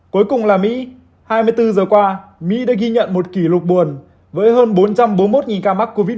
cuối cùng là mỹ hai mươi bốn giờ qua mỹ đã ghi nhận một kỷ lục buồn với hơn bốn trăm bốn mươi một ca mắc covid một mươi